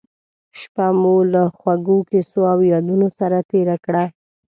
شپه مو له خوږو کیسو او یادونو سره تېره کړه.